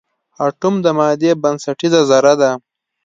اټوم د مادې بنسټیزه ذره ده.